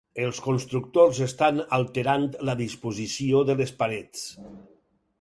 Els constructors estan alterant la disposició de les parets.